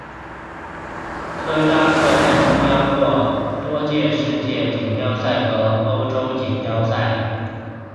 科扎克还参加过多届世界锦标赛和欧洲锦标赛。